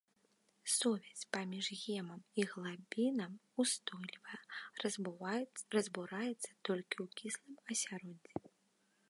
Сувязь паміж гемам і глабінам устойлівая, разбураецца толькі ў кіслым асяроддзі.